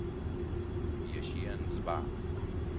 I així ens va.